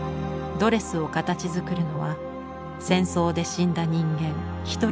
ドレスを形づくるのは戦争で死んだ人間一人一人のカタチ。